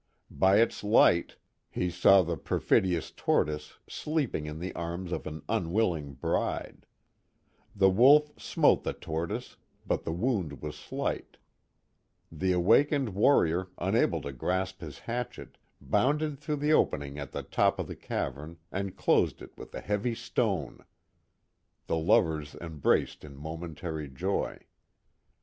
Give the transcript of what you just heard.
By its light he saw the perfidious The Legend of Little Falls 37 1 Tortoise sleeping in the arms of an unwilling bride. The Wolf smote the Tortoise, but the wound was sliglit. The awakened warrior, unable to grasp his hatchet, bounded through the opening at the top of the cavern, and closed it with a heavy stone. The lovers embraced in momentary joy.